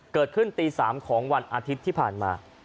เกิดขึ้นตี๓ของวันอาทิตย์ที่ผ่านมา